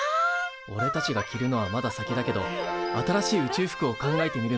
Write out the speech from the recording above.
おれたちが着るのはまだ先だけど新しい宇宙服を考えてみるのはいいかもな。